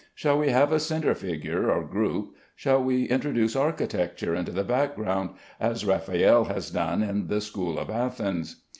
Shall we have a centre figure or group? Shall we introduce architecture into the background, as Raffaelle has done in the "School of Athens"?